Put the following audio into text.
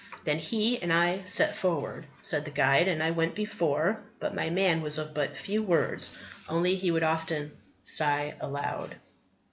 "Then he and I set forward," said the guide, "and I went before; but my man was of but few words, only he would often sigh aloud."